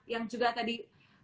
yang juga tadi